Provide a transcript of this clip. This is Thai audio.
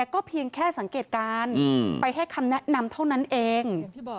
ก็เพียงแค่สังเกตการณ์ไปให้คำแนะนำเท่านั้นเอง